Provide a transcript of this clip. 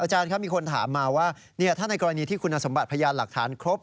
มีคนถามมาว่าถ้าในกรณีที่คุณสมบัติพยานหลักฐานครบ